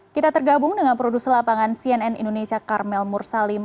kita tergabung dengan produser lapangan cnn indonesia karmel mursalim